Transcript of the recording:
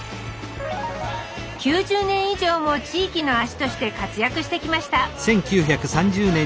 ９０年以上も地域の足として活躍してきました。